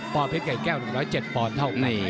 ปเพชรไก่แก้ว๑๐๗ปเท่ากัน